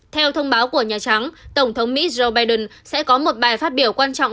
theo thông báo của nhà trắng tổng thống mỹ joe biden sẽ có một bài phát biểu quan trọng